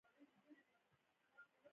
الوتکه ځانګړی هوايي میدان ته اړتیا لري.